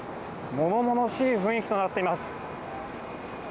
ものものしい雰囲気となっています。